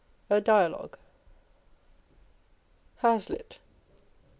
(A Dialogue.)1 Hazlitt.